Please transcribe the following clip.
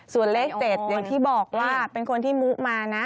ส่วนเลข๗อย่างที่บอกว่าเป็นคนที่มุมานะ